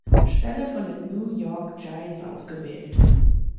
Stelle von den New York Giants ausgewählt.